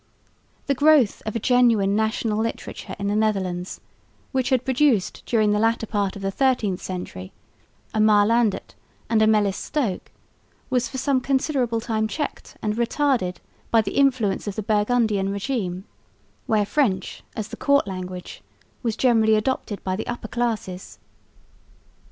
The growth of a genuine national literature in the Netherlands, which had produced during the latter part of the 13th century a Maerlandt and a Melis Stoke, was for some considerable time checked and retarded by the influence of the Burgundian régime, where French, as the court language, was generally adopted by the upper classes.